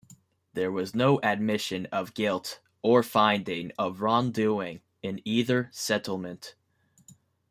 There was no admission of guilt or finding of wrongdoing in either settlement.